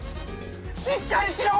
しっかりしろ！